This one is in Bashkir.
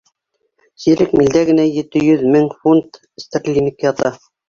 Сирек милдә генә ете йөҙ мең фунт стерлинг ята.